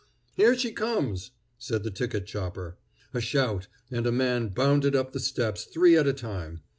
"Here she comes!" said the ticket chopper. A shout, and a man bounded up the steps, three at a time.